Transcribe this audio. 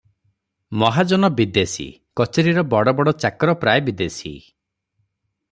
ମହାଜନ ବିଦେଶୀ, କଚେରିର ବଡ଼ ବଡ଼ ଚାକର ପ୍ରାୟ ବିଦେଶୀ ।